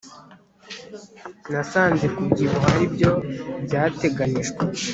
nasanze kubyibuha aribyo byateganijwe